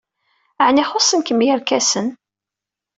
Ɛni xuṣṣen-kem yerkasen?